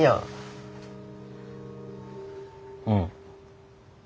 うん。